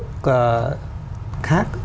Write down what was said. các nước khác